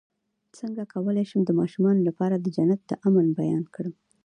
څنګه کولی شم د ماشومانو لپاره د جنت د امن بیان کړم